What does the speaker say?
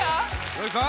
よいか？